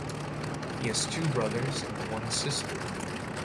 He has two brothers and one sister.